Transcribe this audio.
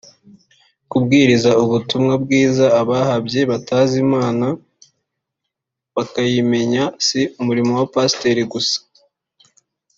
Kubwiriza ubutumwa bwiza abahabye batazi Imana bakayimenya si umurimo wa pasiteri gusa